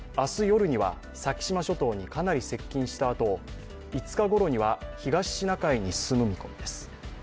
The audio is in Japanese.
夜には先島諸島にかなり接近したあと５日ごろには、東シナ海に進む見込みです。